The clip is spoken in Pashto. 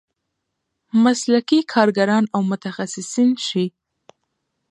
مسلکي کارګران او متخصصین شي.